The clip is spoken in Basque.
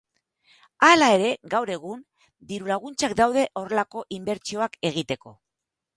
Hala ere, gaur egun, diru laguntzak daude horrelako inbertsioak egiteko.